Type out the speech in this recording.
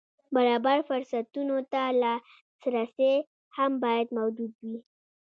برابر فرصتونو ته لاسرسی هم باید موجود وي.